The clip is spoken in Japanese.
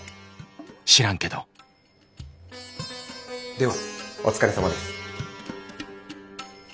ではお疲れさまです。